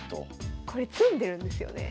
これ詰んでるんですよね。